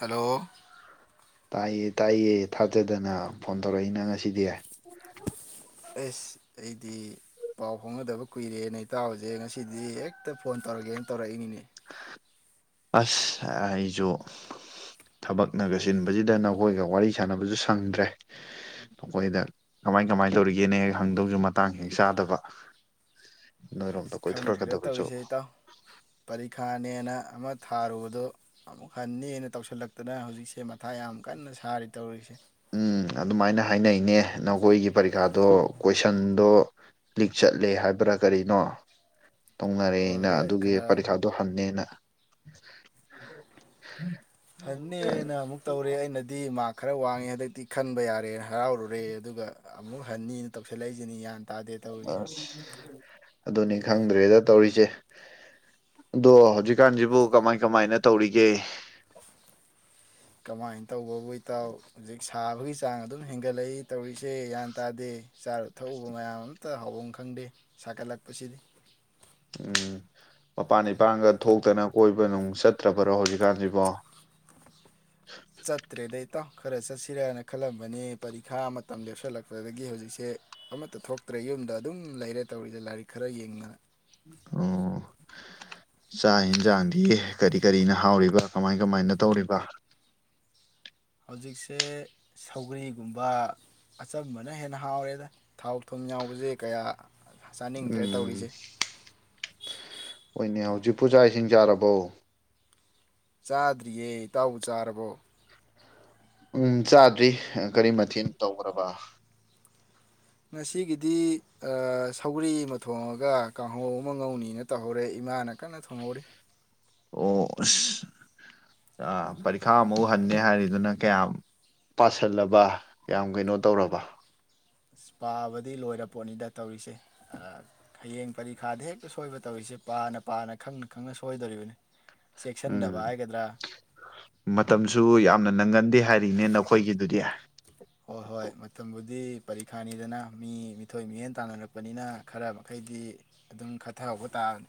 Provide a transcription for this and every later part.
hello ꯇꯥꯏꯌꯦ ꯇꯥꯏꯌꯦ ꯊꯥꯖꯗꯅ ꯐꯣꯟ ꯇꯧꯔꯛꯏꯅ ꯉꯁꯤꯗꯤ ꯑꯦꯁ ꯑꯩꯗꯤ ꯄꯥꯎ ꯐꯥꯎꯅꯗꯕ ꯀꯨꯏꯔꯦ ꯅ ꯇꯥꯕꯁꯦ ꯉꯁꯤꯗꯤ ꯍꯦꯛꯇ ꯐꯣꯟ ꯇꯧꯔꯒꯦꯅ ꯇꯧꯔꯛꯏꯅꯤꯅꯦ ꯑꯁ ꯑꯩꯁꯨ ꯊꯕꯛꯅꯒ ꯁꯤꯟꯕꯁꯤꯗ ꯅꯈꯣꯏꯒ ꯋꯥꯔꯤ ꯁꯥꯟꯅꯕꯁꯨ ꯁꯪꯗ꯭ꯔꯦ ꯅꯈꯣꯏꯗ ꯀꯃꯥꯏ ꯀꯃꯥꯏꯅ ꯇꯧꯔꯤꯒꯦꯅ ꯍꯦꯛ ꯍꯪꯗꯧꯁꯨ ꯃꯇꯥꯡ ꯍꯦꯛ ꯆꯥꯗꯕ ꯅꯣꯏꯔꯣꯝꯗ ꯑꯁ ꯈꯪꯗ꯭ꯔꯦꯗ ꯀꯣꯏꯊꯣꯔꯛꯀꯗꯕꯁꯨ ꯅꯦꯅ ꯑꯃ ꯊꯥꯔꯨꯕꯗꯣ ꯑꯃꯨꯛ ꯍꯅꯦꯅ ꯇꯧꯁꯤꯜꯂꯛꯇꯅ ꯍꯧꯖꯤꯛꯁꯦ ꯃꯊꯥ ꯌꯥꯝ ꯀꯟꯅ ꯁꯥꯔꯤ ꯇꯧꯔꯤꯁꯦ ꯎꯝ ꯑꯗꯨꯃꯥꯏꯅ ꯍꯥꯏꯅꯩꯅꯦ ꯅꯈꯣꯏꯒꯤ ꯄꯔꯤꯈꯥꯗꯣ ꯀꯣꯏꯁꯟꯗꯣ ꯂꯤꯛ ꯆꯠꯂꯦ ꯍꯥꯏꯕ꯭ꯔꯥ ꯀꯔꯤꯅꯣ ꯇꯧꯅꯔꯦ ꯍꯣꯏ ꯑꯩꯅ ꯍꯣꯏ ꯑꯗꯨꯒꯤ ꯈꯔ ꯄꯔꯤꯈꯥꯗꯣ ꯍꯟꯅꯦꯅ ꯎꯝ ꯍꯟꯅꯤꯅ ꯑꯃꯨꯛ ꯇꯧꯔꯦ ꯑꯩꯅꯗꯤ ꯃꯥꯔꯛ ꯈꯔ ꯋꯥꯡꯉꯦ ꯍꯟꯗꯛꯇꯤ ꯈꯟꯕ ꯌꯥꯔꯦ ꯍꯔꯥꯎꯔꯨꯔꯦ ꯑꯗꯨꯒ ꯑꯃꯨꯛ ꯍꯟꯅꯤꯅ ꯇꯧꯁꯜꯂꯛꯏꯁꯤꯅꯤ ꯒ꯭ꯌꯥꯟ ꯇꯥꯗꯦ ꯇꯧꯔꯤꯁꯦ [unintelligible] ꯑꯗꯨꯅꯦ ꯈꯪꯗ꯭ꯔꯦꯗ ꯇꯧꯔꯤꯁꯦ ꯑꯗꯣ ꯍꯧꯖꯤꯛꯀꯥꯟꯁꯤꯕꯨ ꯀꯃꯥꯏ ꯀꯃꯥꯏꯅ ꯇꯧꯔꯤꯒꯦ ꯀꯃꯥꯏꯅ ꯇꯧꯕꯕꯨ ꯏꯇꯥꯎ ꯍꯧꯖꯤꯛ ꯁꯥꯕꯒꯤ ꯆꯥꯡ ꯑꯗꯨꯝ ꯍꯦꯟꯒꯠꯂꯛꯏ ꯇꯧꯔꯤꯁꯦ ꯒ꯭ꯌꯥꯟ ꯇꯥꯗꯦ ꯆꯥꯔꯨ ꯊꯛꯎꯕ ꯃꯌꯥꯝ ꯑꯃꯝꯇ ꯍꯥꯎꯐꯝ ꯈꯪꯗꯦ ꯁꯥꯒꯠꯂꯛꯄꯁꯤꯗꯤ ꯎꯝ ꯃꯄꯥꯟ ꯏꯄꯥꯟꯒ ꯊꯣꯛꯇꯅ ꯀꯣꯏꯕ ꯅꯨꯡ ꯆꯠꯇ꯭ꯔꯕꯔꯣ ꯍꯧꯖꯤꯛꯀꯥꯟꯁꯤꯕꯣ ꯆꯠꯇ꯭ꯔꯦꯗꯥ ꯏꯇꯥꯎ ꯈꯔ ꯆꯠꯁꯤꯔꯥꯅ ꯈꯜꯂꯝꯕꯅꯤ ꯄꯔꯤꯈꯥ ꯃꯇꯝ ꯂꯦꯞꯁꯤꯜꯂꯛꯄꯗꯒꯤ ꯍꯧꯖꯤꯛꯁꯦ ꯑꯃꯠꯇ ꯊꯣꯛꯇ꯭ꯔꯦ ꯌꯨꯝꯗ ꯑꯗꯨꯝ ꯂꯩꯔꯦ ꯇꯧꯔꯤꯁꯦ ꯂꯥꯏꯔꯤꯛ ꯈꯔ ꯌꯦꯡꯗꯅ ꯑꯣ ꯆꯥꯛ ꯌꯦꯟꯁꯥꯡꯗꯤ ꯀꯔꯤ ꯀꯔꯤꯅ ꯍꯥꯎꯔꯤꯕ ꯀꯃꯥꯏ ꯀꯃꯥꯏꯅ ꯇꯧꯔꯤꯕ ꯍꯧꯖꯤꯛꯁꯦ ꯁꯧꯒ꯭ꯔꯤꯒꯨꯝꯕ ꯑꯆꯝꯕꯅ ꯍꯦꯟꯅ ꯍꯥꯎꯔꯦꯗ ꯊꯥꯎ ꯊꯨꯝ ꯌꯥꯎꯕꯁꯦ ꯀꯌꯥ ꯆꯥꯅꯤꯡꯗ꯭ꯔꯦ ꯎꯝ ꯇꯧꯔꯤꯁꯦ ꯍꯣꯏꯅꯦ ꯍꯧ ꯖꯤꯛꯄꯨ ꯆꯥꯛ ꯏꯁꯤꯡ ꯆꯥꯔꯕ꯭ꯔꯣ ꯆꯥꯗ꯭ꯔꯤꯌꯦ ꯇꯥꯎꯕꯨ ꯆꯥꯔꯕꯣ ꯎꯝ ꯆꯥꯗ꯭ꯔꯤ ꯀꯔꯤ ꯃꯊꯦꯜ ꯇꯧꯈ꯭ꯔꯕ ꯉꯁꯤꯒꯤꯗꯤ ꯁꯧꯒꯔꯤ ꯑꯃ ꯊꯣꯡꯉꯒ ꯀꯥꯡꯍꯧ ꯑꯃ ꯉꯧꯅꯤꯅ ꯇꯧꯍꯧꯔꯦ ꯏꯃꯥꯅ ꯀꯟꯅ ꯊꯣꯡꯍꯧꯔꯤ ꯑꯣ ꯑꯁ ꯄꯔꯤꯈꯥ ꯑꯃꯨꯛ ꯍꯟꯅꯦ ꯍꯥꯏꯔꯤꯗꯨꯅ ꯀꯌꯥꯝ ꯄꯥꯁꯜꯂꯕ ꯀꯌꯥꯝ ꯀꯩꯅꯣ ꯇꯧꯔꯕ ꯑꯁ ꯄꯥꯕꯗꯤ ꯂꯣꯏꯔ ꯄꯣꯠꯅꯤꯗ ꯇꯧꯔꯤꯁꯦ ꯍꯌꯦꯡ ꯄꯔꯤꯈꯥꯗ ꯍꯦꯛꯇ ꯁꯣꯏꯕ ꯇꯧꯔꯤꯁꯦ ꯄꯥꯅ ꯄꯥꯅ ꯈꯪꯅ ꯈꯪꯅ ꯁꯣꯏꯗꯣꯔꯤꯕꯅꯤ ꯆꯦꯛꯁꯤꯟꯗꯕ ꯎꯝ ꯍꯥꯏꯒꯗ꯭ꯔꯥ ꯃꯇꯝꯁꯨ ꯌꯥꯝꯅ ꯅꯪꯒꯟ ꯗꯦ ꯍꯥꯏꯔꯤꯅꯦ ꯅꯈꯣꯏꯒꯤꯗꯨꯗꯤ ꯍꯣꯏ ꯍꯣꯏ ꯃꯇꯝꯕꯨꯗꯤ ꯄꯔꯤꯈꯥꯅꯤꯗꯅ ꯃꯤ ꯃꯤꯊꯣꯏ ꯃꯤꯍꯦꯟ ꯇꯥꯟꯅꯔꯛꯄꯅꯤꯅ ꯈꯔ ꯃꯈꯩꯗꯤ ꯑꯗꯨꯝ ꯈꯠꯊꯍꯧꯕ ꯇꯥꯕꯅꯤ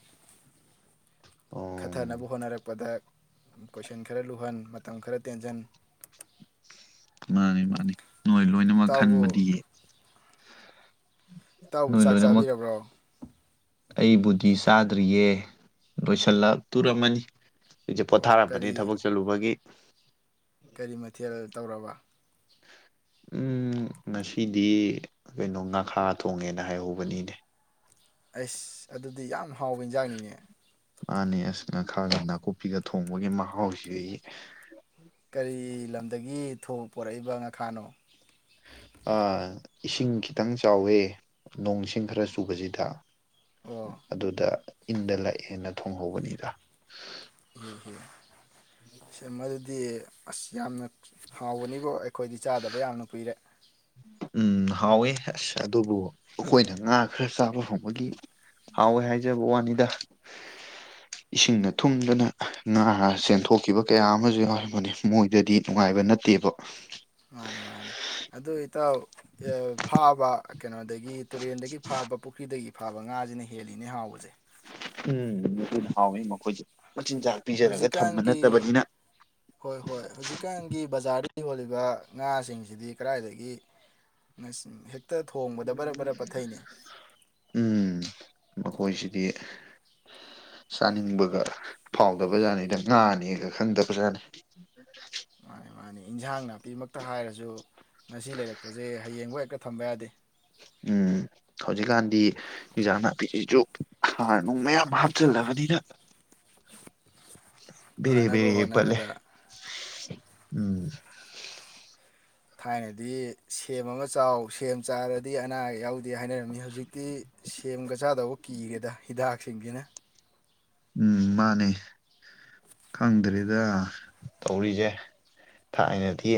ꯑꯣ ꯈꯠꯊꯅꯕ ꯍꯣꯠꯅꯔꯛꯄꯗ ꯀꯣꯏꯁꯟ ꯈꯔ ꯂꯨꯍꯟ ꯃꯇꯝ ꯈꯔ ꯇꯦꯟꯖꯟ ꯃꯥꯟꯅꯤ ꯃꯥꯟꯅꯤ ꯅꯣꯏ ꯂꯣꯏꯅꯃꯛ ꯏꯇꯥꯎꯕꯨ ꯈꯟꯕꯗꯤ [inaudible] ꯏꯇꯥꯎꯕꯨ ꯅꯣꯏ ꯆꯥꯛ ꯂꯣꯏꯅꯃꯛ ꯆꯥꯕꯤꯔꯕ꯭ꯔꯣ ꯑꯩꯕꯨꯗꯤ ꯆꯥꯗ꯭ꯔꯤꯌꯦ ꯂꯣꯏꯁꯜꯂꯛ ꯇꯣꯔꯝꯃꯅꯤ ꯍꯧꯖꯤꯛ ꯑꯣ ꯄꯣꯊꯥꯔꯝꯕꯅꯦ ꯀꯔꯤ ꯊꯕꯛ ꯆꯠꯂꯨꯕꯒꯤ [inaudible] ꯀꯔꯤ ꯃꯊꯦꯜ ꯇꯧꯔꯕ ꯎꯝ ꯉꯁꯤꯗꯤ ꯀꯩꯅꯣ ꯉꯥꯈꯥ ꯊꯣꯡꯉꯦꯅ ꯍꯥꯏꯍꯧꯕꯅꯤꯅꯦ ꯑꯩꯁ ꯑꯗꯨꯗꯤ ꯌꯥꯝ ꯍꯥꯎꯕ ꯏꯟꯖꯥꯡꯅꯤꯅꯦ ꯃꯥꯟꯅꯦ ꯑꯁ ꯉꯈꯥꯗ ꯅꯥꯀꯨꯞꯄꯤꯒ ꯊꯣꯡꯕꯒꯤ ꯃꯍꯥꯎꯁꯤꯗꯤ ꯀꯔꯤ ꯂꯝꯗꯒꯤ ꯊꯣꯡ ꯄꯨꯔꯛꯏꯕ ꯉꯥꯈꯥꯅꯣ ꯑꯥ ꯏꯁꯤꯡ ꯈꯤꯇꯪ ꯆꯥꯎꯋꯦ ꯅꯣꯡꯆꯤꯡ ꯈꯔ ꯆꯨꯕꯁꯤꯗ ꯑꯣ ꯑꯗꯨꯗ ꯏꯟꯗ ꯂꯥꯛꯑꯦꯅ ꯊꯣꯡꯍꯧꯕꯅꯤꯗ ꯏꯍꯦ ꯗꯤ ꯑꯁ ꯌꯥꯝꯅ ꯍꯥꯎꯕꯅꯤꯕꯨ ꯑꯩꯈꯣꯏꯗꯤ ꯆꯥꯗꯕ ꯌꯥꯝꯅ ꯀꯨꯏꯔꯦ ꯎ ꯍꯥꯎꯋꯦ ꯑꯁ ꯑꯗꯨꯕꯨ ꯑꯩꯈꯣꯏꯅ ꯉꯥ ꯈꯔ ꯆꯥꯕ ꯐꯪꯕꯒꯤ ꯍꯥꯎꯋꯦ ꯍꯥꯏꯖꯕ ꯋꯥꯅꯤꯗ ꯏꯁꯤꯡꯅ ꯊꯨꯝꯗꯅ ꯉꯥ ꯆꯦꯟꯊꯣꯛꯈꯤꯕ ꯀꯌꯥ ꯑꯃꯁꯨ ꯌꯥꯎꯔꯕꯅꯤ ꯃꯣꯏꯗꯗꯤ ꯅꯨꯡꯉꯥꯏꯕ ꯅꯠꯇꯦꯕ ꯃꯥꯅꯤ ꯃꯥꯅꯤ ꯑꯗꯨ ꯏꯇꯥꯎ ꯐꯥꯕ ꯀꯩꯅꯣꯗꯒꯤ ꯇꯨꯔꯦꯟꯗ ꯒꯤ ꯐꯥꯕ ꯄꯨꯈ꯭ꯔꯤꯗꯒꯤ ꯐꯥꯕ ꯉꯥꯁꯤꯅ ꯍꯦꯜꯂꯤꯅꯦ ꯍꯥꯎꯕꯁꯦ ꯎꯝ ꯍꯥꯎꯋꯤ ꯃꯈꯣꯏꯁꯦ ꯃꯆꯤꯟꯖꯥꯛ ꯄꯤꯖꯔꯒ ꯊꯝꯕ ꯍꯧꯖꯤꯛꯀꯥꯟꯒꯤ ꯅꯠꯇꯕꯅꯤꯅ ꯍꯣꯏ ꯍꯣꯏ ꯍꯧꯖꯤꯛꯀꯥꯟꯒꯤ ꯕꯖꯥꯔꯗ ꯌꯣꯜꯂꯤꯕ ꯉꯥꯁꯤꯡꯁꯤꯗꯤ ꯀꯗꯥꯏꯗꯒꯤ ꯍꯦꯛ ꯎꯝ ꯃꯥꯈꯣꯏꯁꯤ [unintelligible] ꯆꯥꯅꯤꯡꯕꯒ ꯐꯥꯎꯗꯕꯖꯥꯠꯅꯤꯗ ꯉꯥꯅꯤꯒ ꯈꯪꯗꯕꯖꯥꯠꯅꯤ ꯃꯥꯅꯤ ꯃꯥꯅꯤ ꯏꯟꯁꯥꯡ ꯅꯥꯄꯤꯃꯛꯇ ꯍꯥꯏꯔꯁꯨ ꯉꯁꯤ ꯂꯩꯔꯛꯄꯁꯦ ꯍꯌꯦꯡ ꯍꯣꯏ ꯀ ꯊꯝꯕ ꯌꯥꯗꯦ ꯎꯝ ꯍꯧꯖꯤꯛꯀꯥꯟꯗꯤ ꯍꯟꯖꯥꯡ ꯅꯥꯄꯤꯁꯤꯁꯨ ꯍꯥꯥꯔ ꯅꯨꯡ ꯃꯌꯥꯝ ꯍꯥꯞꯆꯤꯜꯂꯕꯅꯤꯅ ꯐꯅꯕ ꯕꯤꯔꯤꯕꯤꯔꯤ ꯄꯠꯂꯦ ꯍꯣꯠꯅꯕꯗ ꯎꯝ ꯊꯥꯏꯅꯗꯤ ꯁꯦꯝ ꯑꯃ ꯆꯥꯎ ꯁꯦꯝ ꯆꯥꯔꯗꯤ ꯑꯅꯥꯌꯦꯛ ꯌꯥꯎꯗꯦ ꯍꯥꯏꯅꯔꯝꯃꯤ ꯍꯧꯖꯤꯛꯇꯤ ꯁꯦꯝꯒ ꯆꯆꯥꯗꯕꯨ ꯀꯤꯔꯦꯗ ꯍꯤꯗꯥꯛ ꯁꯤꯡꯅ ꯎꯝ ꯃꯥꯅꯦ ꯈꯪꯗ꯭ꯔꯤꯗ ꯇꯧꯔꯤꯁꯦ ꯊꯥꯏꯅꯗꯤ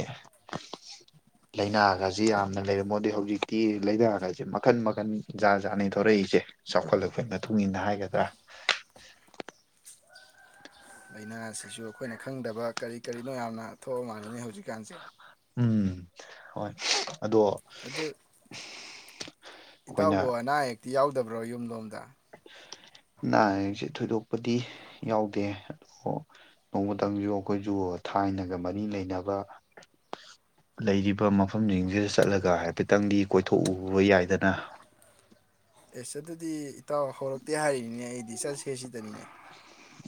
ꯂꯥꯏꯅꯥꯒꯁꯦ ꯌꯥꯝꯅ ꯂꯩꯔꯝꯄꯣꯠꯇꯦ ꯍꯧꯖꯤꯛꯇꯤ ꯂꯥꯏꯅꯥꯒꯁꯦ ꯃꯈꯟ ꯃꯈꯟ ꯖꯥꯠ ꯖꯥꯠꯅꯤ ꯊꯧꯔꯛꯏꯁꯦ ꯆꯥꯎꯈꯠꯂꯛꯄꯒꯤ ꯃꯇꯨꯡ ꯏꯟꯅ ꯍꯥꯏꯒꯗ꯭ꯔꯥ [unintelligible] ꯂꯥꯏꯅꯥ ꯑꯁꯤꯁꯨ ꯑꯩꯈꯣꯏꯅ ꯈꯪꯗꯕ ꯀꯔꯤ ꯀꯔꯤꯅꯣ ꯌꯥꯝꯅ ꯊꯣꯛꯑ ꯃꯥꯜꯂꯤꯅꯦ ꯍꯧꯖꯤꯛꯀꯥꯟꯁꯦ ꯎꯝ ꯍꯣꯏ ꯑꯗꯣ ꯑꯗꯨ ꯑꯩꯈꯣꯏꯅ ꯇꯤ ꯌꯥꯎꯗꯕ꯭ꯔꯣ ꯌꯨꯝꯂꯣꯝꯗ ꯑꯅꯥ ꯑꯌꯦꯛꯁꯦ ꯊꯣꯏꯗꯣꯛꯄꯗꯤ ꯌꯥꯎꯗꯦ ꯅꯣꯡꯃꯇꯪꯁꯨ ꯑꯩꯈꯣꯏꯁꯨ ꯊꯥꯏꯅꯒ ꯃꯔꯤ ꯂꯩꯅꯕ ꯂꯩꯔꯤꯕ ꯃꯐꯝꯁꯤꯡꯁꯤꯗ ꯆꯠꯂꯒ ꯍꯥꯏꯐꯦꯠꯇꯪꯗꯤ ꯀꯣꯏꯊꯣꯛꯎꯕ ꯌꯥꯏꯗꯅ ꯑꯦꯁ ꯑꯗꯨꯗꯤ ꯏꯇꯥꯎ ꯍꯧꯔꯛꯇꯦ ꯍꯥꯏꯔꯤꯅꯤꯅꯦ ꯑꯩꯗꯤ ꯆꯠꯁꯦ ꯁꯤꯗꯅꯤꯅꯦ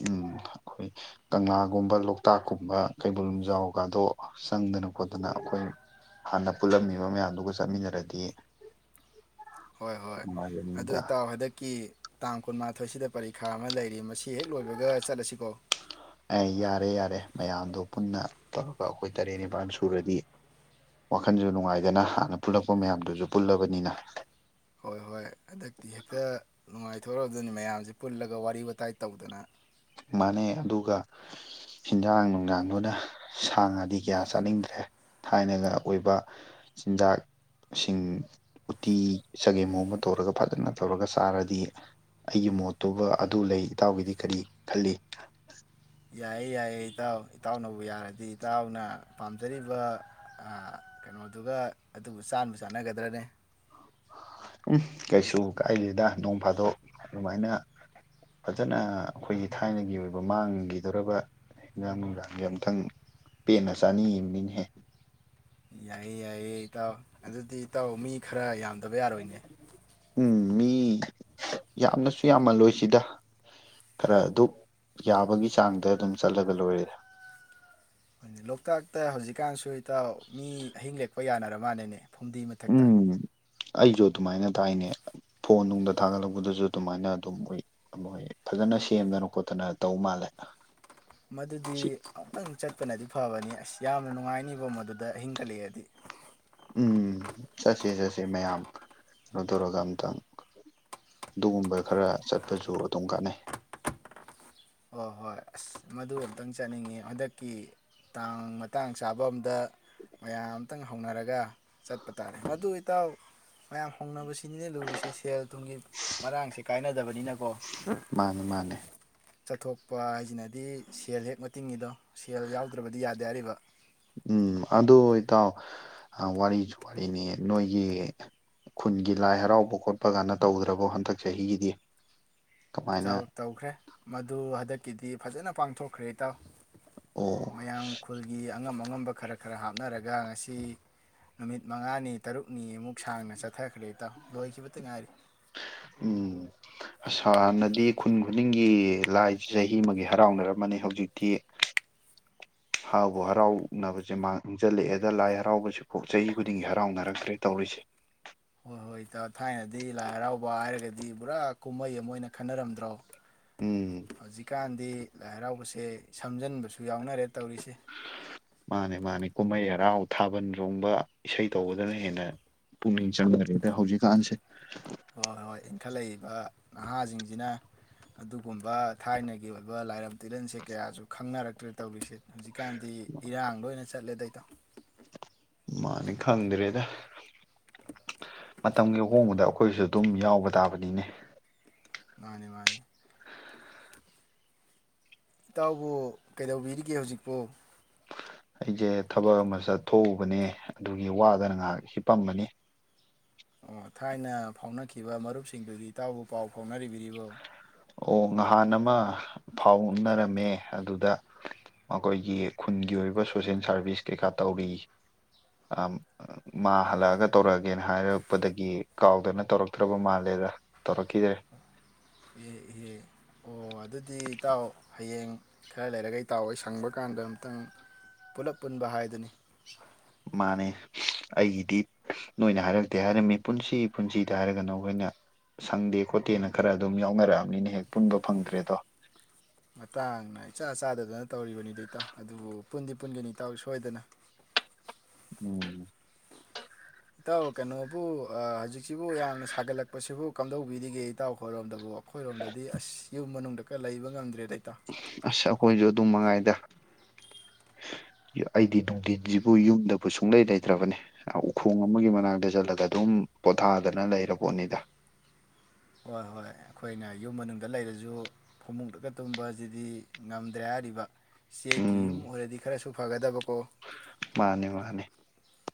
ꯎꯝ ꯑꯩꯈꯣꯏ ꯀꯪꯂꯥꯒꯨꯝꯕ ꯂꯣꯛꯇꯥꯛꯀꯨꯝꯕ ꯀꯩꯕꯨꯜ ꯂꯝꯖꯥꯎꯒꯗꯣ ꯆꯪꯗꯅ ꯈꯣꯠꯇꯅ ꯑꯩꯈꯣꯏ ꯍꯥꯟꯅ ꯄꯨꯜꯂꯝꯃꯤꯕ ꯃꯌꯥꯝꯗꯨꯒ ꯆꯠꯃꯤꯟꯅꯔꯗꯤ ꯍꯣꯏ ꯍꯣꯏ ꯑꯗꯨ ꯅꯨꯡꯉꯥꯏꯕꯅꯤꯗ ꯏꯇꯥꯎ ꯍꯟꯗꯛꯀꯤ ꯇꯥꯡ ꯀꯨꯟꯃꯥꯊꯣꯏꯁꯤꯗ ꯄꯔꯤꯈꯥ ꯑꯃ ꯂꯩ ꯃꯁꯤ ꯍꯦꯛ ꯂꯣꯏꯕꯒ ꯆꯠꯂꯁꯤꯀꯣ ꯑꯦ ꯌꯥꯔꯦ ꯌꯥꯔꯦ ꯃꯌꯥꯝꯗꯣ ꯄꯨꯟꯅ ꯇꯧꯔꯒ ꯑꯩꯈꯣꯏ ꯇꯔꯦꯠ ꯅꯤꯄꯥꯜ ꯁꯨꯔꯗꯤ ꯋꯥꯈꯜꯁꯨ ꯅꯨꯡꯉꯥꯏꯗꯅ ꯍꯥꯟꯅ ꯄꯨꯜꯂꯛꯄ ꯃꯌꯥꯝꯗꯨꯁꯨ ꯄꯨꯜꯂꯕꯅꯤꯅ ꯍꯣꯏ ꯍꯣꯏ ꯍꯟꯗꯛꯇꯤ ꯍꯦꯛꯇ ꯅꯨꯡꯉꯥꯏ ꯇꯧꯔꯗꯣꯏꯅꯤ ꯃꯌꯥꯝꯁꯦ ꯄꯨꯜꯂꯒ ꯋꯥꯔꯤ ꯋꯥꯇꯥꯏ ꯇꯧꯗꯅ ꯃꯥꯟꯅꯦ ꯑꯗꯨꯒ ꯍꯦꯟꯖꯥꯡ ꯅꯨꯡꯗꯥꯡꯗꯨꯅ ꯁꯥ ꯉꯥꯗꯤ ꯀꯌꯥ ꯆꯥꯅꯤꯡꯗ꯭ꯔꯦ ꯊꯥꯏꯅꯒ ꯑꯣꯏꯕ ꯆꯤꯟꯖꯥꯛꯁꯤꯡ ꯎꯇꯤ ꯆꯒꯦꯝ ꯄꯣꯝꯕ ꯇꯧꯔꯒ ꯐꯖꯅ ꯇꯧꯔꯒ ꯆꯥꯔꯗꯤ ꯑꯩꯒꯤ ꯃꯣꯠꯇꯨꯕ ꯑꯗꯨ ꯂꯩ ꯏꯇꯥꯎꯒꯤꯗꯤ ꯀꯔꯤ ꯈꯜꯂꯤ ꯌꯥꯏꯌꯦ ꯌꯥꯏꯌꯦ ꯏꯇꯥꯎ ꯏꯇꯥꯎꯅꯕꯨ ꯌꯥꯔꯗꯤ ꯏꯇꯥꯎꯅ ꯄꯥꯝꯖꯔꯤꯕ ꯀꯩꯅꯣꯗꯨꯒ ꯑꯗꯨꯕꯨ ꯆꯥꯅꯕ ꯆꯥꯟꯅꯒꯗ꯭ꯔꯅꯤ ꯎꯝ ꯀꯩꯁꯨ ꯀꯥꯏꯜꯂꯤꯗ ꯅꯣꯡ ꯐꯥꯗꯣꯛ ꯑꯗꯨꯃꯥꯏꯅ ꯐꯖꯅ ꯑꯩꯈꯣꯏꯒꯤ ꯊꯥꯏꯅꯒꯤ ꯑꯣꯏꯕ ꯃꯥꯡꯈꯤꯗꯧꯔꯕ ꯍꯟꯖꯥꯡ ꯅꯨꯡꯗꯥꯡꯁꯦ ꯑꯝꯇꯪ ꯄꯦꯟꯅ ꯆꯥꯅꯤ ꯌꯦꯡꯅꯤꯅꯤꯍꯦ ꯌꯥꯏꯌꯦ ꯌꯥꯏꯌꯦ ꯏꯇꯥꯎ ꯑꯗꯨꯗꯤ ꯏꯇꯥꯎ ꯃꯤ ꯈꯔ ꯌꯥꯝ ꯑꯣꯏꯕ ꯌꯥꯔꯣꯏꯅꯦ ꯎꯝ ꯃꯤ ꯌꯥꯝꯅꯁꯨ ꯌꯥꯝꯃꯜꯂꯣꯏꯁꯤꯗ ꯈꯔ ꯑꯗꯨ ꯌꯥꯕꯒꯤ ꯆꯥꯡꯗ ꯑꯗꯨꯝ ꯆꯠꯂꯒ ꯂꯣꯏꯔꯦꯗ ꯂꯣꯛꯇꯥꯛꯇ ꯍꯧꯖꯤꯛꯀꯥꯟꯁꯨ ꯇ ꯃꯤ ꯑꯍꯤꯡ ꯂꯦꯛꯞꯄ ꯍꯈꯣꯏ ꯌꯥꯅꯔ ꯃꯥꯜꯂꯅꯦ ꯐꯨꯝꯗꯤ ꯃꯊꯛꯇ ꯎꯝ ꯑꯩꯁꯨ ꯑꯗꯨꯃꯥꯏꯅ ꯇꯥꯏꯅꯦ ꯐꯣꯟ ꯅꯨꯡꯗ ꯊꯥꯒꯠꯂꯛꯄꯗꯁꯨ ꯑꯗꯨꯃꯥꯏꯅ ꯑꯗꯨꯝꯣꯏ ꯃꯣꯏ ꯐꯖꯅ ꯁꯦꯝꯗꯅ ꯈꯣꯠꯇꯅ ꯇꯧ ꯃꯥꯜꯂꯦ ꯃꯗꯨꯗꯤ ꯁꯤ ꯑꯃꯨꯛꯇꯪ ꯆꯠꯄꯅꯗꯤ ꯐꯕꯅꯤ ꯑꯁ ꯌꯥꯝꯅ ꯅꯨꯡꯉꯥꯏꯅꯤꯕ ꯃꯗꯨꯗ ꯑꯍꯤꯡꯒꯠꯂꯛꯑꯗꯤ ꯎꯝ ꯆꯠꯁꯦ ꯆꯠꯁꯦ ꯃꯌꯥꯝ ꯀꯩꯅꯣ ꯇꯧꯔꯒ ꯑꯝꯇꯪ ꯑꯗꯨꯒꯨꯝꯕ ꯈꯔ ꯆꯠꯄꯁꯨ ꯑꯗꯨꯝ ꯀꯥꯟꯅꯩ ꯑꯣ ꯍꯣꯏ ꯑꯁ ꯃꯗꯨ ꯑꯝꯇꯪ ꯆꯠꯅꯤꯡꯉꯤ ꯍꯟꯗꯛꯀꯤ ꯇꯥꯡ ꯃꯇꯥꯡ ꯆꯥꯕ ꯑꯝꯗ ꯃꯌꯥꯝ ꯈꯤꯇꯪ ꯍꯧꯅꯔꯒ ꯆꯠꯄ ꯇꯥꯔꯦ ꯃꯗꯨ ꯏꯇꯥꯎ ꯃꯌꯥꯝ ꯍꯧꯅꯕꯁꯤ ꯆꯤꯟꯅ ꯂꯨꯔꯤꯁꯦ ꯁꯦꯜ ꯊꯨꯝꯒꯤ ꯃꯔꯥꯡꯁꯦ ꯀꯥꯏꯅꯗꯕ ꯑꯅꯤꯅꯀꯣ ꯃꯥꯅꯦ ꯃꯥꯅꯦ ꯆꯠꯊꯣꯛꯄ ꯍꯥꯏꯁꯤꯅꯗꯤ ꯁꯦꯜ ꯍꯦꯛ ꯃꯇ ꯇꯤꯡꯉꯤꯗꯣ ꯁꯦꯜ ꯌꯥꯎꯗ꯭ꯔꯕꯗꯤ ꯌꯥꯗꯦ ꯍꯥꯏꯔꯤꯕ ꯎꯝ ꯑꯗꯨ ꯏꯇꯥꯎ ꯋꯥꯔꯤꯁꯨ ꯋꯥꯔꯤꯅꯤ ꯅꯣꯏꯒꯤ ꯈꯨꯟꯒꯤ ꯂꯥꯏ ꯍꯔꯥꯎꯕ ꯈꯣꯠꯄ ꯀꯥꯟꯅ ꯇꯧꯗ꯭ꯔꯕꯣ ꯍꯟꯗꯛ ꯆꯍꯤꯒꯤꯗꯤ ꯏꯇ ꯀꯃꯥꯏꯅ ꯇꯧꯈ꯭ꯔꯦ ꯃꯗꯨ ꯍꯟꯗꯛ ꯀꯤꯗꯤ ꯐꯖꯅ ꯄꯥꯡꯊꯣꯛꯈ꯭ꯔꯦ ꯏ ꯇꯥꯎ ꯑꯣ ꯃꯌꯥꯝꯡ ꯈꯨꯜꯒꯤ ꯑꯉꯝ ꯑꯉꯝꯕ ꯈꯔ ꯈꯔ ꯍꯥꯞꯅꯔꯒ ꯉꯁꯤ ꯅꯨꯃꯤꯠ ꯃꯉꯥꯅꯤ ꯇꯔꯨꯛꯅꯤ ꯑꯃꯨꯛ ꯁꯥꯡꯅ ꯆꯠꯊꯈ꯭ꯔꯦ ꯏꯇꯥꯎ ꯂꯣꯏꯈꯤꯕꯇ ꯉꯥꯏꯔꯤ ꯎꯝ ꯑꯁꯥꯟꯅꯗꯤ ꯈꯨꯟ ꯈꯨꯗꯤꯡꯒꯤ ꯂꯥꯏꯁꯤ ꯆꯍꯤ ꯑꯃꯒꯤ ꯍꯔꯥꯎꯅꯔꯝꯃꯅꯤ ꯍꯧꯖꯤꯛꯇꯤ ꯍꯥꯥꯎꯕꯨ ꯍꯔꯥꯎꯅꯕꯁꯦ ꯃꯥꯡꯁꯤꯜꯂꯛꯑꯦꯗ ꯂꯥꯏ ꯍꯔꯥꯎꯕꯕꯁꯤ ꯆꯍꯤ ꯈꯨꯗꯤꯡꯒꯤ ꯍꯔꯥꯎꯅꯔꯛꯇ꯭ꯔꯦ ꯇꯧꯔꯤꯁꯦ ꯍꯍꯣꯏ ꯊꯥꯏꯅꯗꯤ ꯂꯥꯏ ꯍꯔꯥꯎꯕ ꯍꯥꯏꯔꯒꯗꯤ ꯄꯨꯔꯥ ꯀꯨꯝꯍꯩ ꯑꯃ ꯑꯣꯏꯅ ꯈꯟꯅꯔꯝꯗ꯭ꯔꯣ ꯎꯝ ꯑꯖꯤ ꯀ ꯀꯥꯟꯗꯤ ꯂꯥꯏ ꯍꯔꯥꯎꯕꯁꯦ ꯁꯝꯖꯟꯕꯁꯨ ꯌꯥꯎꯅꯔꯦ ꯇꯧꯔꯤꯁꯦ ꯃꯥꯅꯦ ꯃꯥꯅꯦ ꯀꯨꯃꯩ ꯍꯥꯔꯥꯎ ꯊꯥꯕꯜ ꯆꯣꯡꯕ ꯏꯁꯩ ꯇꯧꯕꯗꯅ ꯍꯦꯟꯅ ꯄꯨꯛꯅꯤꯡ ꯆꯪꯅꯔꯦ ꯑꯗ ꯍꯧꯖꯤꯛꯀꯥꯟꯁꯦ ꯍꯣꯏ ꯍꯣꯏ ꯏꯟꯈꯠꯂꯛꯏꯕ ꯅꯍꯥꯁꯤꯡꯁꯤꯅ ꯑꯗꯨꯒꯨꯝꯕ ꯊꯥꯏꯅꯒꯤ ꯑꯣꯏꯕ ꯂꯥꯏꯔꯝ ꯇꯤꯔꯟꯁꯦ ꯀꯌꯥꯁꯨ ꯈꯪꯅꯔꯛꯦ ꯄ꯭ꯔꯦ ꯇꯕꯤꯁꯦ ꯍꯧꯖꯤꯛꯀꯥꯟꯗꯤ ꯏꯔꯥꯡ ꯂꯣꯏꯅ ꯆꯠꯂꯦꯗ [inaudible] ꯃꯥꯅꯤ ꯈꯪꯗ꯭ꯔꯦꯗ ꯃꯇꯝꯒꯤ ꯑꯍꯣꯡꯕꯗ ꯑꯩꯈꯣꯏꯁꯨ ꯑꯗꯨꯝ ꯌꯥꯎꯕ ꯇꯥꯕꯅꯤꯅꯦ ꯃꯥꯅꯦ ꯃꯥꯅꯤ ꯏꯇꯥꯎꯕꯨ ꯀꯩꯗꯧꯕꯤꯔꯤꯒꯦ ꯍꯧꯖꯤꯛꯄꯨ ꯑꯩꯖꯦ ꯊꯕꯛ ꯑꯃ ꯆꯠꯊꯣꯛꯎꯕꯅꯦ ꯑꯗꯨꯒꯤ ꯋꯥꯗꯅ ꯉꯥꯏꯍꯥꯛ ꯍꯤꯞꯄꯝꯕꯅꯤ ꯑꯣ ꯊꯥꯏꯅ ꯐꯥꯎꯅꯈꯤꯕ ꯃꯔꯨꯞꯁꯤꯡꯗꯨꯗꯤ ꯏꯇꯥꯎꯕꯨ ꯄꯥꯎ ꯐꯥꯎꯅꯔꯤꯕꯔꯤꯕꯣ ꯑꯣ ꯅꯍꯥꯟ ꯑꯃ ꯐꯥꯎꯅꯔꯝꯃꯦ ꯑꯗꯨꯗ ꯃꯈꯣꯏꯒꯤ ꯈꯨꯟꯒꯤ ꯑꯣꯏꯕ ꯁꯣꯁꯦꯜ ꯁꯥꯔꯚꯤꯁ ꯀꯩꯀꯥ ꯇꯧꯔꯤ ꯃꯥ ꯍꯜꯂꯛꯑꯒ ꯇꯧꯔꯛꯑꯒꯦꯅ ꯍꯥꯏꯔꯛꯄꯗꯒꯤ ꯀꯥꯎꯗꯅ ꯇꯧꯔꯛꯇ꯭ꯔꯕ ꯃꯥꯜꯂꯦꯗ ꯇꯧꯔꯛꯈꯤꯗ꯭ꯔꯦ ꯑꯦ ꯏꯍꯦ ꯑꯣ ꯑꯗꯨꯗꯤ ꯏꯇꯥꯎ ꯍꯌꯦꯡ ꯈꯔ ꯂꯩꯔꯒ ꯏꯇꯥꯎ ꯍꯣꯏ ꯁꯪꯕ ꯀꯥꯟꯗ ꯑꯝꯇꯪ ꯄꯨꯂꯞ ꯄꯨꯟꯕ ꯍꯥꯏꯗꯨꯅꯤ ꯃꯥꯅꯦ ꯑꯩꯒꯤꯗꯤ ꯅꯣꯏꯅ ꯍꯥꯏꯔꯛꯇꯦ ꯍꯥꯏꯔꯝꯃꯤ ꯄꯨꯟꯁꯤ ꯄꯨꯟꯁꯤꯗ ꯍꯥꯏꯔꯒꯅ ꯅꯈꯣꯏꯅ ꯁꯪꯗꯦ ꯈꯣꯠꯇꯦꯅ ꯈꯔ ꯑꯗꯨꯝ ꯌꯥꯎꯅꯔꯛꯑꯕꯅꯤꯅ ꯍꯦꯛ ꯄꯨꯟꯕ ꯐꯪꯗ꯭ꯔꯦꯗꯣ ꯃꯇꯥꯡꯅ ꯏꯆꯥ ꯆꯥꯗꯗꯅ ꯇꯧꯔꯤꯕꯅꯤꯗꯤ ꯏꯇꯥꯎ ꯑꯗꯨꯕꯨ ꯄꯨꯟꯗꯤ ꯄꯨꯟꯒꯅꯤ ꯏꯇꯥꯎ ꯁꯣꯏꯗꯅ ꯎꯝ ꯏꯇꯥꯎ ꯀꯩꯅꯣꯕꯨ ꯍꯧꯖꯤꯛꯁꯤꯕꯨ ꯌꯥꯝꯅ ꯁꯥꯒꯠꯂꯛꯄꯁꯤꯕꯨ ꯀꯝꯗꯧꯕꯤꯔꯤꯒꯦ ꯏꯇꯥꯎ ꯈꯣꯏꯔꯣꯝꯗꯕꯨ ꯑꯩꯈꯣꯏꯔꯣꯝꯗꯗꯤ ꯑꯁ ꯌꯨꯝ ꯃꯅꯨꯡꯗ ꯀ ꯂꯩꯕ ꯉꯝꯗ꯭ꯔꯦ ꯑꯁ ꯑꯈꯣꯏꯖꯨ ꯑꯗꯨꯝ ꯃꯉꯥꯏꯗ ꯑꯩꯗꯤ ꯅꯨꯡꯗꯤꯟꯖꯤꯕꯨ ꯌꯨꯝꯗꯕꯨ ꯁꯨꯡꯂꯩ ꯂꯩꯇ꯭ꯔꯕꯅꯤ ꯎꯈꯣꯡ ꯑꯃꯒꯤ ꯃꯅꯥꯛꯇ ꯆꯠꯂꯒ ꯑꯗꯨꯝ ꯄꯣꯊꯥꯗꯅ ꯂꯩꯔ ꯄꯣꯠꯅꯤꯗ ꯍꯣꯏ ꯍꯣꯏ ꯑꯩꯈꯣꯏꯅ ꯌꯨꯝ ꯃꯅꯨꯡꯗ ꯂꯩꯔꯖꯨ ꯐꯃꯨꯡꯗꯒ ꯇꯨꯝꯕꯁꯤꯗꯤ ꯉꯝꯗ꯭ꯔꯦ ꯍꯥꯏꯔꯤꯕ ꯆꯦꯛꯀꯤ ꯌꯨꯝ ꯎꯝ ꯑꯣꯏꯔꯗꯤ ꯈꯔꯁꯨ ꯐꯒꯗꯕꯀꯣ ꯃꯥꯅꯦ ꯃꯥꯅꯦ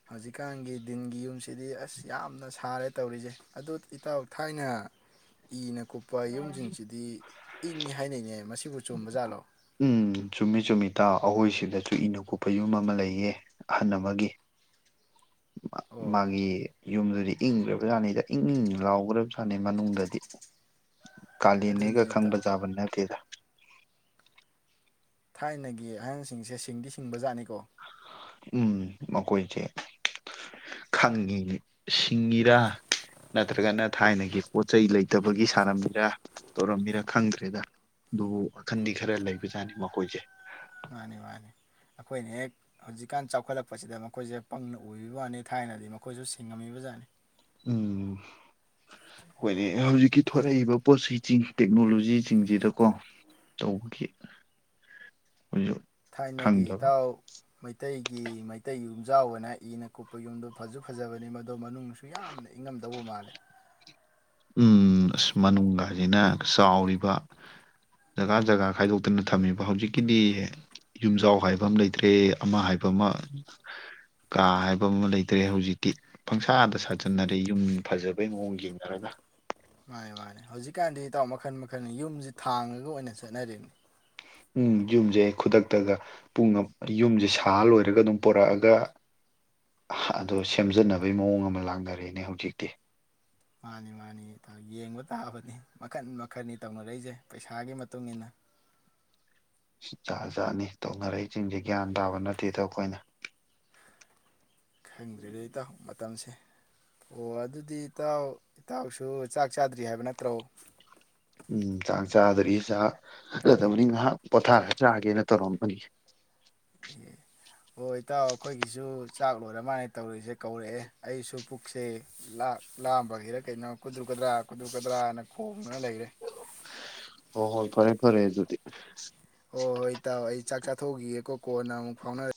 ꯍꯧꯖꯤꯛꯀꯥꯟꯒꯤ ꯗꯤꯟꯒꯤ ꯌꯨꯝꯁꯤꯗꯤ ꯑꯁ ꯌꯥꯝꯅ ꯁꯥꯔꯦ ꯇꯧꯔꯤꯁꯦ ꯑꯗꯨ ꯏꯇꯥꯎ ꯊꯥꯏꯅ ꯏꯅ ꯀꯨꯞꯄ ꯌꯨꯝꯁꯤꯡꯁꯤꯗꯤ ꯏꯪꯉꯤ ꯍꯥꯏꯅꯩꯅꯦ ꯃꯁꯤꯕꯨ ꯆꯨꯝꯕꯖꯥꯠꯂꯣ ꯑꯩꯈꯣꯏꯁꯤꯗꯁꯨꯨ ꯏꯅ ꯀꯨꯞꯄ ꯌꯨꯝ ꯑꯃ ꯂꯩꯌꯦ ꯑꯍꯟ ꯑꯃꯒꯤ ꯑꯣ ꯃꯥꯒꯤ ꯌꯨꯝꯗꯨꯗꯤ ꯏꯪꯒꯔꯕ ꯖꯥꯅꯤꯗ ꯏꯪ ꯏꯪ ꯂꯥꯎꯒ꯭ꯔꯕ ꯃꯅꯤ ꯃꯅꯨꯡꯗꯗꯤ ꯀꯥꯂꯦꯟꯅꯤꯒ ꯑꯗꯨꯅꯤꯅꯦ ꯈꯪꯕ ꯏꯇꯥꯎ ꯖꯥꯕ ꯅꯠꯇꯦꯗ ꯊꯥꯏꯅꯒꯤ ꯑꯍꯟꯁꯤꯡꯁꯦ ꯁꯤꯡꯗꯤ ꯁꯤꯡꯕ ꯖꯥꯠꯅꯤꯀꯣ ꯎꯝ ꯃꯈꯣꯏꯁꯦ ꯈꯪꯉꯤ ꯁꯤꯡꯉꯤꯔꯥ ꯅꯠꯇ꯭ꯔꯒꯅ ꯊꯥꯏꯅꯒꯤ ꯄꯣꯠ ꯆꯩꯩ ꯂꯩꯇꯕꯒꯤ ꯁꯥꯟꯔꯝꯃꯤꯔ ꯇꯧꯔꯝꯃꯤꯔꯥ ꯈꯪꯗ꯭ꯔꯦꯗ ꯑꯗꯨꯕꯨ ꯋꯥꯈꯟꯗꯤ ꯈꯔ ꯂꯩꯕꯖꯥꯠꯅꯤ ꯃꯈꯣꯏꯁꯦ ꯃꯥꯅꯤ ꯃꯥꯅꯤ ꯑꯩꯈꯣꯏꯅ ꯍꯦꯛ ꯍꯧꯖꯤꯛꯀꯥꯟ ꯆꯥꯎꯈꯠꯂꯛꯄꯁꯤꯗ ꯃꯈꯣꯏꯁꯦ ꯄꯪꯅ ꯎꯕꯤꯕ ꯋꯥꯅꯤ ꯊꯥꯏꯅꯗꯤ ꯃꯈꯣꯏꯁꯨ ꯁꯤꯡꯉꯝꯃꯤꯕꯖꯥꯠꯅꯤ ꯎꯝ ꯑꯩꯈꯣꯏꯗꯤ ꯍꯧꯖꯤꯛꯀꯤ ꯊꯣꯂꯛꯏꯕ ꯄꯣꯠ ꯆꯩꯁꯤꯡ ꯇꯦꯛꯅꯣꯂꯣꯖꯤꯁꯤꯡꯁꯤꯗꯀꯣ ꯇꯧꯕꯒꯤ ꯑꯈꯣꯏꯖꯨ ꯊꯥꯏꯅꯒꯤ ꯈꯪꯗꯕ ꯏꯇꯥꯎ ꯃꯩꯇꯩꯒꯤ ꯃꯩꯇꯩ ꯌꯨꯝꯖꯥꯎꯅ ꯍꯥꯏꯗꯤ ꯏꯅ ꯀꯨꯞꯄ ꯌꯨꯝꯗꯣ ꯐꯖ ꯐꯖꯕꯅꯤ ꯃꯗꯣ ꯃꯅꯨꯡꯁꯨ ꯌꯥꯝꯅ ꯏꯪꯉꯝꯗꯧꯕ ꯃꯥꯜꯂꯦ ꯎꯝ ꯑꯁ ꯃꯅꯨꯡꯒꯖꯤꯅ ꯆꯥꯎꯔꯤꯕ ꯖꯒꯥ ꯖꯒꯥ ꯈꯥꯏꯗꯣꯛꯇꯅ ꯊꯝꯃꯤꯕ ꯍꯧꯖꯤꯛꯀꯤꯗꯤ ꯌꯨꯝꯖꯥꯎ ꯍꯥꯏꯕ ꯑꯃ ꯂꯩꯇ꯭ꯔꯦ ꯑꯃ ꯍꯥꯏꯕ ꯑꯃ ꯀꯥ ꯍꯥꯏꯕ ꯑꯃ ꯂꯩꯇ꯭ꯔꯦ ꯍꯧꯖꯤꯛꯇꯤ ꯄꯪꯁꯥꯗ ꯁꯥꯖꯟꯅꯔꯦ ꯌꯨꯝ ꯐꯖꯕꯩ ꯃꯑꯣꯡ ꯌꯦꯡꯅꯔꯒ ꯃꯥꯅꯤ ꯃꯥꯅꯦ ꯍꯧꯖꯤꯛꯀꯥꯟꯗꯤ ꯏꯇꯥꯎ ꯃꯈꯜ ꯃꯈꯜꯅꯤ ꯌꯨꯝꯖꯤ ꯊꯥꯡꯉꯒ ꯑꯣꯏꯅ ꯆꯠꯅꯔꯦꯅꯦ ꯎꯝ ꯌꯨꯝꯖꯦ ꯈꯨꯗꯛꯇꯒ ꯄꯨꯡ ꯌꯨꯝꯖꯦ ꯁꯥ ꯂꯣꯏꯔꯒ ꯑꯗꯨꯝ ꯄꯣꯔꯛꯑꯒ ꯑꯗꯣ ꯁꯦꯝꯖꯟꯅꯕꯩ ꯃꯑꯣꯡ ꯑꯃ ꯂꯥꯡꯅꯔꯦꯅꯦ ꯍꯧꯖꯤꯛꯇꯤ ꯃꯥꯅꯤ ꯃꯥꯅꯤ ꯌꯦꯡꯕ ꯇꯥꯕꯅꯤ ꯃꯈꯟ ꯃꯈꯟꯅꯤ ꯇꯧꯅꯔꯛꯏꯖꯦ ꯄꯩꯁꯥꯒꯤ ꯃꯇꯨꯡ ꯏꯟꯅ ꯖꯥꯠ ꯖꯥꯠꯅꯤ ꯇꯧꯅꯔꯛꯏꯖꯤꯡꯖꯦ ꯒ꯭ꯌꯥꯟ ꯇꯥꯕ ꯅꯠꯇꯦꯗ ꯑꯈꯣꯏꯅ ꯈꯪꯗꯔ꯭ꯦꯗ ꯏꯇꯥꯎ ꯃꯇꯝꯁꯦ ꯑꯣ ꯑꯗꯨꯗꯤ ꯏꯇꯥꯎ ꯏꯇꯥꯎꯁꯨ ꯆꯥꯛ ꯆꯥꯗ꯭ꯔꯤ ꯍꯥꯏꯕ ꯅꯠꯇ꯭ꯔꯣ ꯎꯝ ꯆꯥꯛ ꯆꯥꯗꯔꯤ ꯆꯥꯒꯗꯕꯅꯤ ꯉꯥꯏꯍꯥꯛ ꯄꯣꯊꯥꯔꯒ ꯆꯥꯒꯦꯅ ꯇꯧꯔꯝꯕꯅꯤ ꯑꯣ ꯏꯇꯥꯎ ꯑꯩꯈꯣꯏꯒꯤꯁꯨ ꯆꯥꯛ ꯂꯣꯏꯔ ꯃꯥꯥꯟꯅ ꯇꯧꯔꯤꯁꯦ ꯀꯧꯔꯛꯑꯦ ꯑꯩꯁꯨ ꯄꯨꯛꯁꯦ ꯂꯥꯝꯕꯒꯤꯔ ꯀꯩꯅꯣ ꯀꯨꯗ꯭ꯔꯨꯀꯗ꯭ꯔꯥ ꯀꯨꯗ꯭ꯔꯨꯛꯀꯗ꯭ꯔꯥꯅ ꯈꯣꯡ ꯍꯣ ꯍꯣꯏ ꯐꯔꯦ ꯐꯔꯦ ꯑꯗꯨꯗꯤ ꯑꯣ ꯍꯣꯏ ꯏꯇꯥꯎ ꯑꯩ ꯆꯥꯛ ꯆꯥꯊꯣꯛꯎꯈꯤꯒꯦꯀꯣ ꯀꯣꯟꯅ ꯑꯃꯨꯛ ꯐꯥꯎꯅꯔ